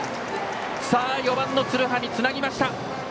さあ、４番の鶴羽につなぎました。